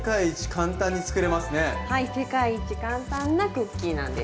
はい世界一簡単なクッキーなんです。